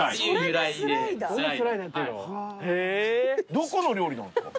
どこの料理なんですか？